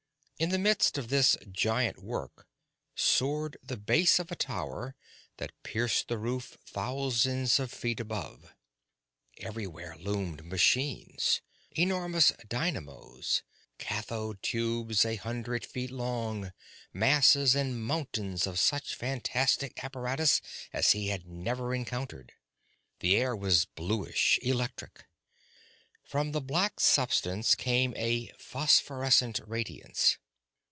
In the midst of this giant work soared the base of a tower that pierced the roof thousands of feet above. Everywhere loomed machines, enormous dynamos, cathode tubes a hundred feet long, masses and mountains of such fantastic apparatus as he had never encountered. The air was bluish, electric. From the black substance came a phosphorescent radiance.